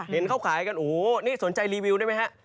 เห็นเขาขายกันโอ้โหนี่สนใจรีวิวได้ไหมฮะ